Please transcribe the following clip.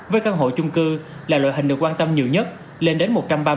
với căn hộ chung cư là loại hình được quan tâm nhiều nhất lên đến một trăm ba mươi